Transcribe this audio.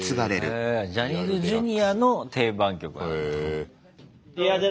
へえジャニーズＪｒ．の定番曲。